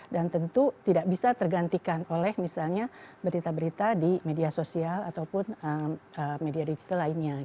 dan tentu tidak bisa tergantikan oleh misalnya berita berita di media sosial ataupun media digital lainnya